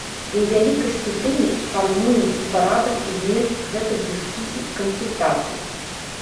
І ў вялікай ступені фармуем і парадак, і змест гэтых дыскусій і кансультацый.